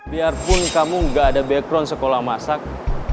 biarpun kamu gak ada background sekolah masak